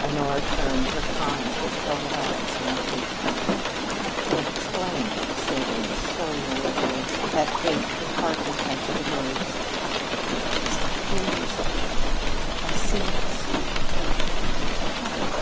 Honora turned her kind but troubled eyes on Kate. "I can't explain," she said in so low a voice that Kate could hardly catch the words. "She's like me, isn't she? I seemed to see " "What?"